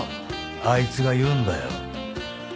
あいつが言うんだよ晴らせぬ